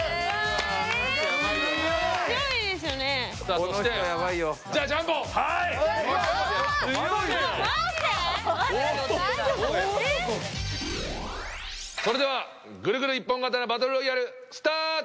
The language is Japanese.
それではぐるぐるイッポンカタナバトルロイヤルスタート！